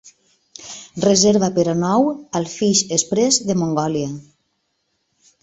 reserva per a nou al Fish Express de Mongòlia